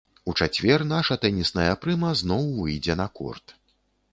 У чацвер наша тэнісная прыма зноў выйдзе на корт.